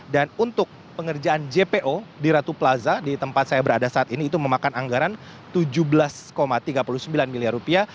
dan untuk pengerjaan jpo di ratu plaza di tempat saya berada saat ini itu memakan anggaran tujuh belas tiga puluh sembilan miliar rupiah